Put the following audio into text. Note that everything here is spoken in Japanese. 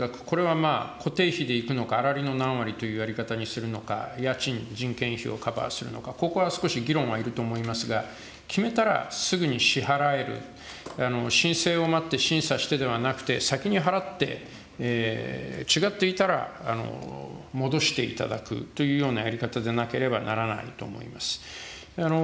まあ、固定費でいくのか、粗利の何割というやり方にするのか、家賃、人件費をカバーするのか、ここは少し議論はいると思いますが、決めたらすぐに支払える、申請を待って審査してではなくて、先に払って、違っていたら戻していただくというようなやり方でなければならないと思います。